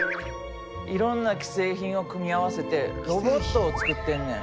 いろんな既製品を組み合わせてロボットを作ってんねん。